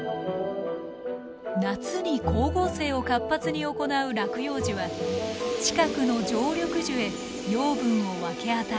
夏に光合成を活発に行う落葉樹は近くの常緑樹へ養分を分け与える。